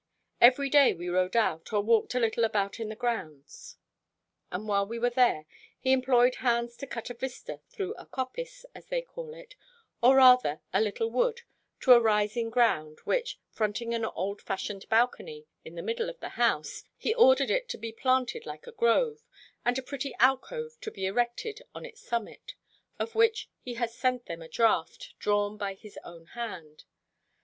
Every day we rode out, or walked a little about the grounds; and while we were there, he employed hands to cut a vista through a coppice, as they call it, or rather a little wood, to a rising ground, which, fronting an old fashioned balcony, in the middle of the house, he ordered it to be planted like a grove, and a pretty alcove to be erected on its summit, of which he has sent them a draught, drawn by his own hand.